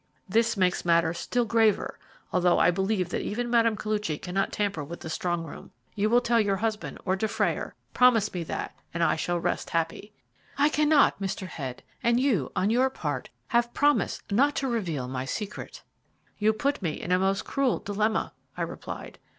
"This makes matters still graver, although I believe that even Mme. Koluchy cannot tamper with the strong room. You will tell your husband or Dufrayer promise me that, and I shall rest happy." "I cannot, Mr. Head; and you, on your part, have promised not to reveal my secret." "You put me in a most cruel dilemma," I replied.